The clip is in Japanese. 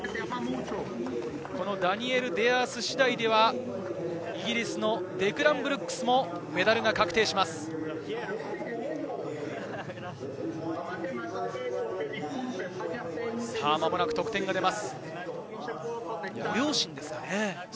ダニエル・デアース次第ではイギリスのデクラン・ブルックスもメダルが確定します。